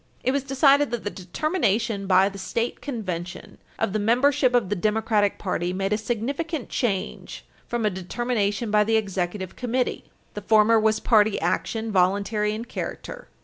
It was decided that the determination by the state convention of the membership of the Democratic party made a significant change from a determination by the Executive Committee. The former was party action, voluntary in character.